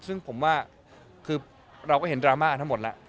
ซึ่งผมว่าคือเราก็เห็นดราม่าทั้งหมดแล้ว